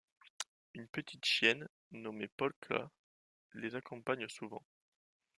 Une petite chienne, nommée Polka, les accompagne souvent.